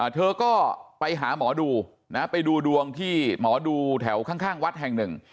เธอก็ไปหาหมอดูนะไปดูดวงที่หมอดูแถวข้างวัดแห่งหนึ่ง